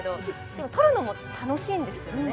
でも撮るのも楽しいんですよね。